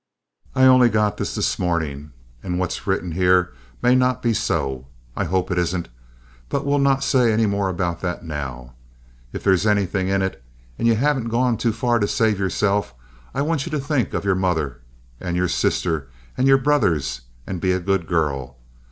I only got this this mornin'. And what's written here may not be so. I hope it isn't. But we'll not say any more about that now. If there is anythin' in it, and ye haven't gone too far yet to save yourself, I want ye to think of your mother and your sister and your brothers, and be a good girl.